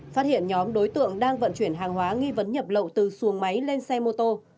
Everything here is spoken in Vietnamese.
phát hiện nhóm đối tượng đang vận chuyển hàng hóa nghi vấn nhập lậu từ xuồng máy lên xe mô tô